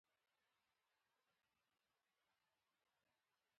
د ګوز موتر روغلى.